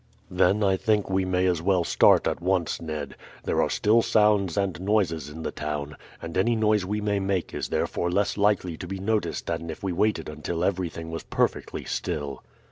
"Then, I think, we may as well start at once, Ned. There are still sounds and noises in the town, and any noise we may make is therefore less likely to be noticed than if we waited until everything was perfectly still."